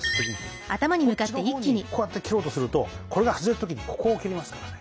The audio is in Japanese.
こっちのほうにこうやって切ろうとするとこれが外れた時にここを切りますからね。